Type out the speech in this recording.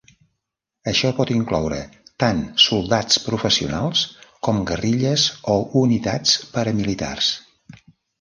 Això pot incloure tant soldats professionals com guerrilles o unitats paramilitars.